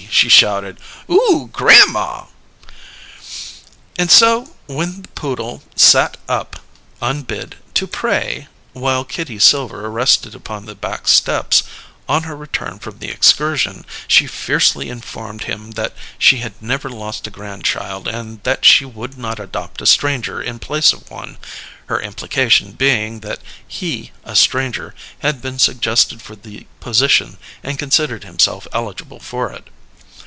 she shouted. "Oooh, Gran'ma!" And so, when the poodle "sat up," unbid, to pray, while Kitty Silver rested upon the back steps, on her return from the excursion, she fiercely informed him that she had never lost a grandchild and that she would not adopt a stranger in place of one; her implication being that he, a stranger, had been suggested for the position and considered himself eligible for it.